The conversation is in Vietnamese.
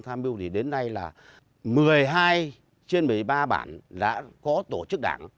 tham mưu thì đến nay là một mươi hai trên một mươi ba bản đã có tổ chức đảng